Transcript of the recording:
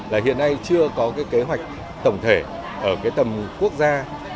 là hiện nay chưa có cái kế hoạch tổng thể ở cái tầm quốc gia